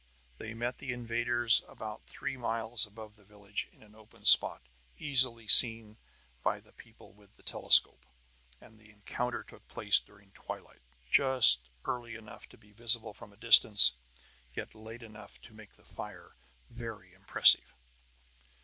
They met the invaders about three miles above the village, in an open spot easily seen by the people with the telescope. And the encounter took place during twilight, just early enough to be visible from a distance, yet late enough to make the fire very impressive.